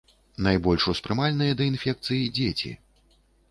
Найбольш успрымальныя да інфекцыі дзеці.